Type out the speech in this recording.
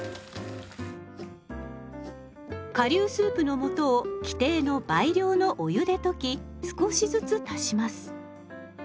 顆粒スープの素を規定の倍量のお湯で溶き少しずつ足します。